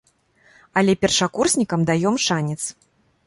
Але першакурснікам даём шанец.